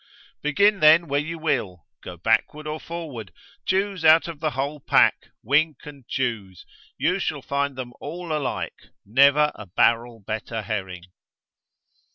Begin then where you will, go backward or forward, choose out of the whole pack, wink and choose, you shall find them all alike, never a barrel better herring.